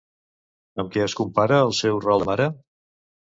Amb què es compara el seu rol de mare?